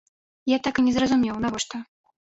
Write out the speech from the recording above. Я так і не зразумеў, навошта.